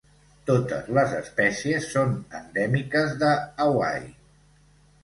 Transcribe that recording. Totes les espècies són endèmiques de Hawaii.